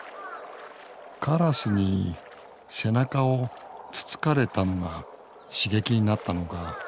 カラスに背中をつつかれたのが刺激になったのか。